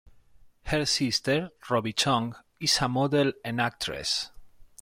Her sister Robbi Chong is a model and actress.